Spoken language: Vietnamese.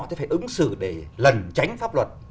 sẽ phải ứng xử để lẩn tránh pháp luật